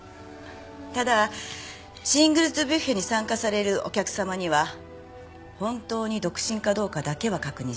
ただシングルズ・ビュッフェに参加されるお客様には本当に独身かどうかだけは確認しないと。